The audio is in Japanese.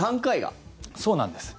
そうなんです。